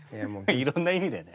いろんな意味でね。